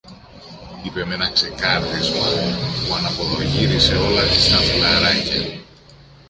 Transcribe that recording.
είπε μ' ένα ξεκάρδισμα που αναποδογύρισε όλα της τα φυλλαράκια